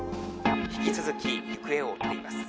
「引き続き行方を追っています」。